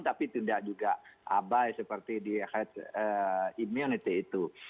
tapi tidak juga abai seperti di health immunity itu